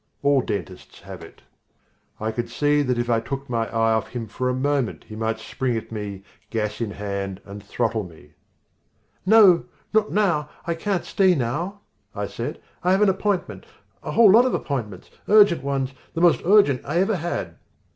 All dentists have it. I could see that if I took my eye off him for a moment he might spring at me, gas in hand, and throttle me. "No, not now, I can't stay now," I said, "I have an appointment, a whole lot of appointments, urgent ones, the most urgent I ever had."